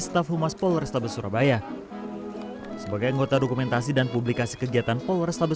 staf humas polrestabes surabaya sebagai anggota dokumentasi dan publikasi kegiatan polrestabes